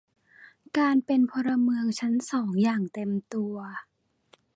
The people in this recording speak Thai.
การเป็นพลเมืองชั้นสองอย่างเต็มตัว